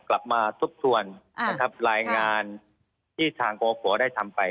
กลับมาสบทวนอ่านะครับรายงานที่ทางครัวครัวได้ทำไป